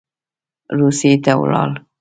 روسیې ته ولاړ.